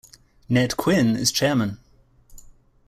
"Ned" Quinn as Chairman.